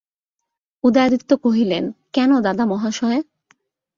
উদয়াদিত্য কহিলেন, কেন দাদামহাশয়?